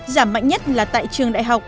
giảm mạnh nhất là tại trường đại học